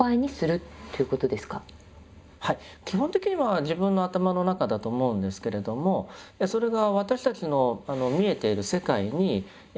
基本的には自分の頭の中だと思うんですけれどもそれが私たちの見えている世界に遍満していると。